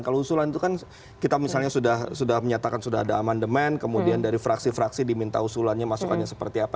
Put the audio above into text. kalau usulan itu kan kita misalnya sudah menyatakan sudah ada amandemen kemudian dari fraksi fraksi diminta usulannya masukannya seperti apa